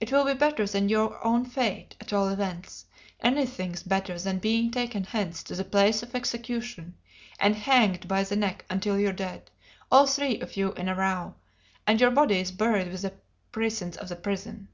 It will be better than your own fate, at all events; anything's better than being taken hence to the place of execution, and hanged by the neck until you're dead, all three of you in a row, and your bodies buried within the precincts of the prison!"